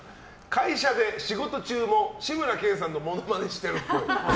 会社で仕事中も志村けんさんのモノマネしてるっぽい。